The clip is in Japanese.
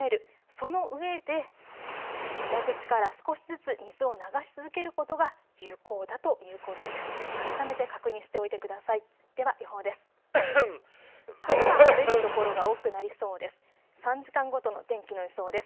そのうえで蛇口から少しずつ水を流し続けることが有効だということです。